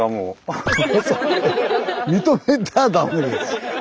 認めたらダメです。